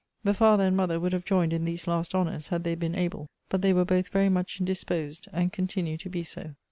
The father and mother would have joined in these last honours, had they been able; but they were both very much indisposed; and continue to be so.